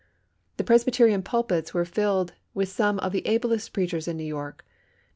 The Presbyterian pulpits were filled with some of the ablest preachers in New York. Dr.